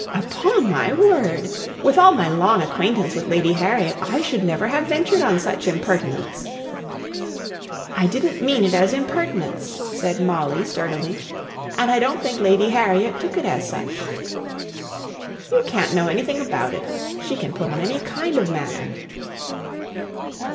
"Upon my word! with all my long acquaintance with Lady Harriet, I should never have ventured on such impertinence." "I didn't mean it as impertinence," said Molly sturdily. "And I don't think Lady Harriet took it as such." "You can't know anything about it. She can put on any kind of manner."